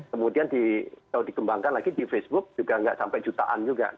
kemudian kalau dikembangkan lagi di facebook juga nggak sampai jutaan juga